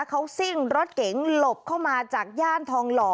เขาซิ่งรถเก๋งหลบเข้ามาจากย่านทองหล่อ